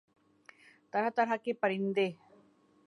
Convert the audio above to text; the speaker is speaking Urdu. طرح طرح کے پرندے